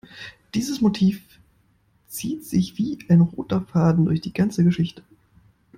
Dieses Motiv zieht sich wie ein roter Faden durch die ganze Geschichte.